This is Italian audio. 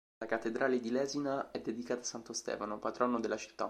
La cattedrale di Lesina è dedicata a santo Stefano, patrono della città.